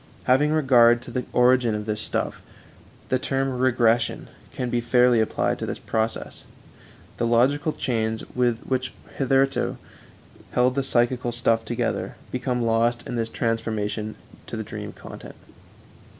Having regard to the origin of this stuff, the term regression can be fairly applied to this process. The logical chains which hitherto held the psychical stuff together become lost in this transformation to the dream content.